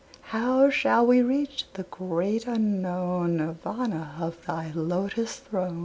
How shall we reach the great, unknown Nirvana of thy Lotus throne?